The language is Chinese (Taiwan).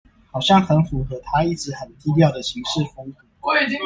好像很符合他一直很低調的行事風格